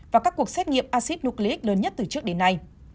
và các cuộc xét nghiệm acid nucleic lớn nhất từ trước đến nay